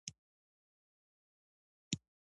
شیخ یوسف قرضاوي فقه سیاسي کتاب کې وايي